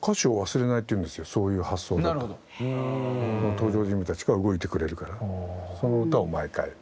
登場人物たちが動いてくれるからその歌を毎回。